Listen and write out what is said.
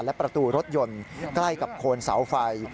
และประตูรถยนต์ใกล้กับโคนเสาไฟ